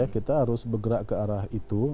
kita harus bergerak ke arah itu